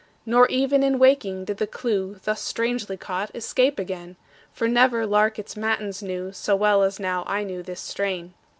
Nor even in waking did the clew, Thus strangely caught, escape again; For never lark its matins knew So well as now I knew this strain.